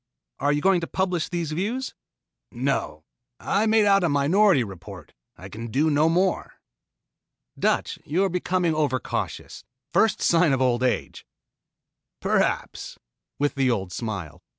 "Are you going to publish these views?" "No. I made out a minority report. I can do no more." "Dutch, you are becoming over cautious. First sign of old age." "Perhaps," with the old smile.